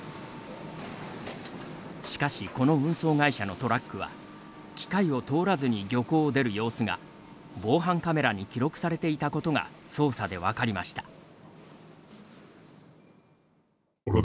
しかしこの運送会社のトラックは機械を通らずに漁港を出る様子が防犯カメラに記録されていたことが捜査で分かりました。